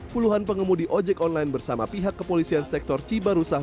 puluhan pengemudi ojek online bersama pihak kepolisian sektor cibarusah